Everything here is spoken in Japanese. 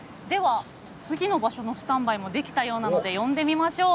次の場所のスタンバイできたので呼んでみましょう。